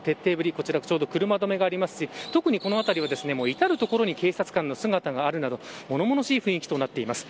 こちら、ちょうど車止めがありますし特に、この辺りは至る所に警察官の姿など物々しい雰囲気となっています。